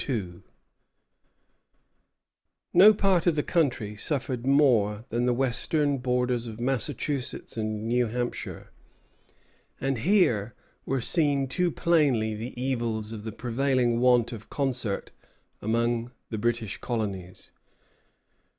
_] No part of the country suffered more than the western borders of Massachusetts and New Hampshire, and here were seen too plainly the evils of the prevailing want of concert among the British colonies.